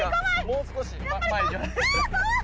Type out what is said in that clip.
もう少し前行かない？